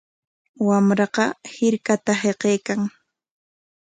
Wamraqa hirkata hiqaykan.